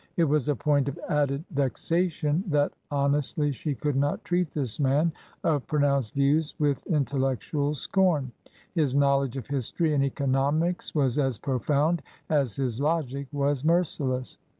It was a point of added vexa tion that honestly she could not treat this man of pro nounced views with intellectual scorn. His knowledge of history and economics was as profound as his logic was merciless.